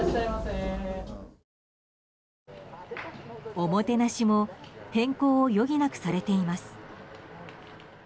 おもてなしも変更を余儀なくされています。